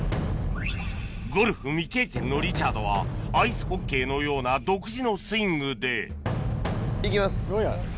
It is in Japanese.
ゴルフ未経験のリチャードはアイスホッケーのような独自のスイングで行きます。